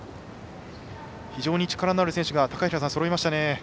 非常に力のある選手がそろいましたね。